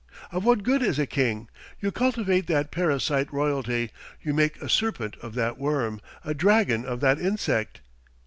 Of what good is a king? You cultivate that parasite royalty; you make a serpent of that worm, a dragon of that insect.